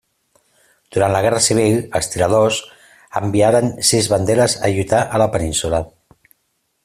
Durant la guerra civil els Tiradors enviaren sis banderes a lluitar a la Península.